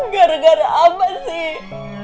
gara gara apa sih